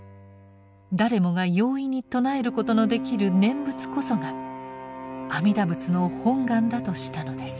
誰もが容易に称えることのできる念仏こそが阿弥陀仏の本願だとしたのです。